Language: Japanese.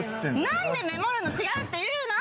何で「メモるの違う」って言うの⁉